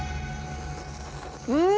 うん！